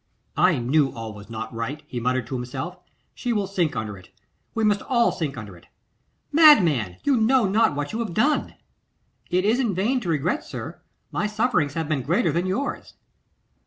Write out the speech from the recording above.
'I knew all was not right,' he muttered to himself. 'She will sink under it; we must all sink under it. Madman! you know not what you have done!' 'It is in vain to regret, sir; my sufferings have been greater than yours.